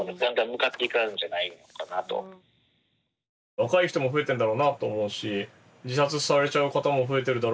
若い人も増えてんだろうなと思うし自殺されちゃう方も増えてるだろうし。